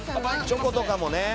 チョコとかもね。